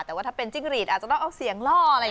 แต่ถ้าเป็นจิ้งหรีทอาจจะต้องเอาเสียงล่อ